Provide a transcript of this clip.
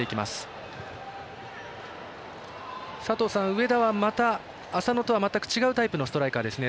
上田はまた浅野とは違ったタイプのストライカーですね